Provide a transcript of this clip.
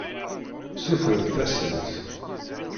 Sutremt-asent.